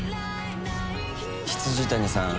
未谷さん。